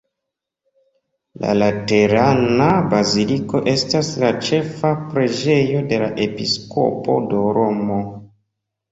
La Laterana baziliko estas la ĉefa preĝejo de la episkopo de Romo.